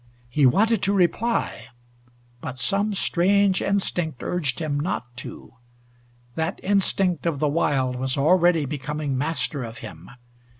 He wanted to reply, but some strange instinct urged him not to. That instinct of the wild was already becoming master of him.